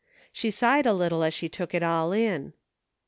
She sighed a little as she took it all in.